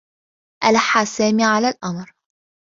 ألحّ سامي على الأمر.